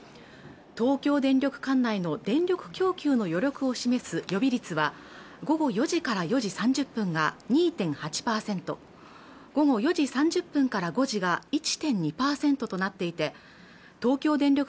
東京電力管内の電力供給の余力を示す予備率は午後４時から４時３０分が２．８％午後４時３０分から５時が１．２％となっていて東京電力